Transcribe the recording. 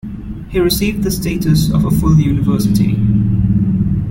He received the status of a full university.